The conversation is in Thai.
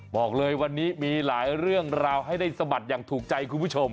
บอกเลยวันนี้มีหลายเรื่องราวให้ได้สะบัดอย่างถูกใจคุณผู้ชม